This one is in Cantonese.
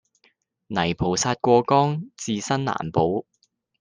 泥菩薩過江自身難保